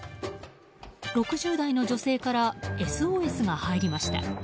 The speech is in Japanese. ６０代の女性からＳＯＳが入りました。